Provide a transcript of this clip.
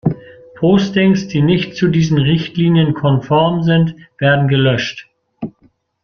Postings, die nicht zu diesen Richtlinien konform sind, werden gelöscht.